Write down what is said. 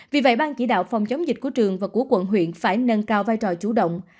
vì vậy ban chỉ đạo phòng chống dịch của trường và của quận huyện phải nâng cao vai trò chủ động